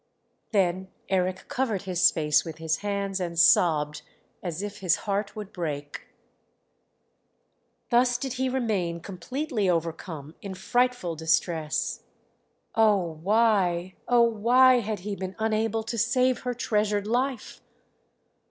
Then Eric covered his face with his hands and sobbed as if his heart would break. Thus did he remain completely overcome, in frightful distress. Oh, why oh, why had he been unable to save her treasured life?